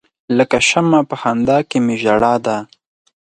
لکه شمع په خندا کې می ژړا ده.